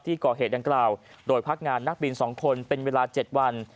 ก่อเหตุดังกล่าวโดยพักงานนักบิน๒คนเป็นเวลา๗วัน